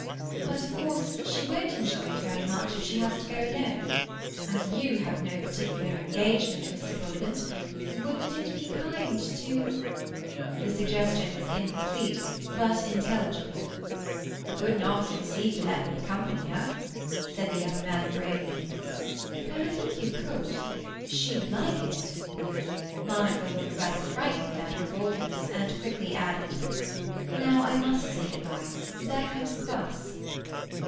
"But of course she won't enjoy it very much if she has to go alone. As you have no particular engagement, Mr. Bullivant, wouldn't it be kind to—?" The suggestion was incomplete, but intelligible. "I couldn't ask Miss Eade to let me accompany her," said the young man gravely. "Oh, I think you could. She would like it." Monica looked rather frightened at her boldness, and quickly added— "Now I must say good bye. There comes the bus."